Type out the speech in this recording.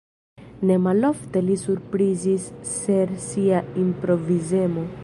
Ne malofte li surprizis per sia improvizemo.